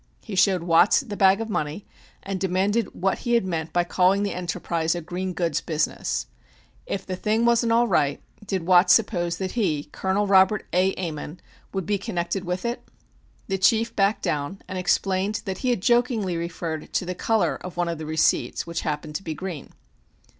He showed Watts the bag of money, and demanded what he had meant by calling the enterprise a "green goods business." If the thing wasn't all right, did Watts suppose that he, Col. Robert A. Ammon, would be connected with it? The chief backed down, and explained that he had jokingly referred to the color of one of the receipts which happened to be green.